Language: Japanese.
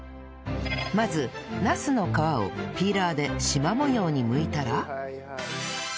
まずナスの皮をピーラーで縞模様に剥いたら